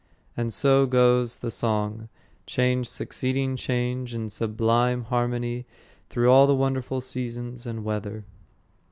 And so goes the song, change succeeding change in sublime harmony through all the wonderful seasons and weather.